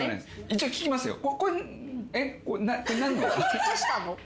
一応聞きますよ。